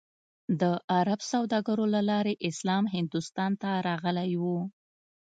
د عرب سوداګرو له لارې اسلام هندوستان ته راغلی و.